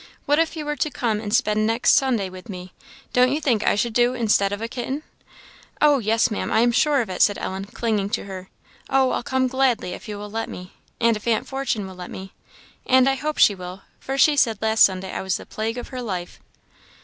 What if you were to come and spend next Sunday with me? Don't you think I should do instead of a kitten?" "Oh, yes, Maam, I am sure of it," said Ellen, clinging to her. "Oh, I'll come gladly, if you will let me and if aunt Fortune will let me; and I hope she will, for she said last Sunday I was the plague of her life."